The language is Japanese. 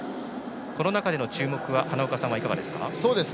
この中での注目花岡さんはいかがでしょう。